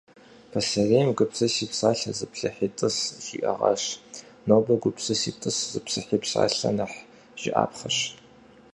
Пасэрейм «гупсыси псалъэ, зыплъыхьи тӏыс» жиӏэгъащ. Нобэ «гупсыси тӏыс, зыплъыхьи псалъэ» нэхъ жыӏапхъэщ.